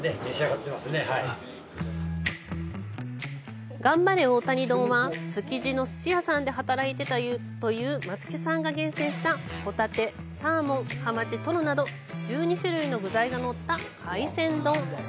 がんばれ大谷丼は、築地の鮨屋さんで働いていたという松木さんが厳選したホタテ、サーモン、ハマチ、トロなど１２種類の具材が載った海鮮丼。